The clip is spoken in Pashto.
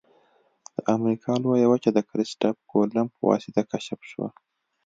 د امریکا لویه وچه د کرستف کولمب په واسطه کشف شوه.